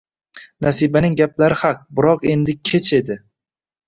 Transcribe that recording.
Nasibaning gaplari haq, biroq endi kech edi